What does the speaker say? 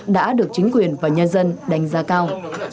đã được chính quyền và nhân dân đánh giá cao